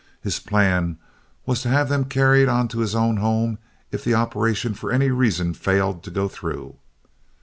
His plan was to have them carried on to his own home if the operation for any reason failed to go through.